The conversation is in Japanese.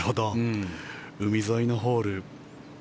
海沿いのホール。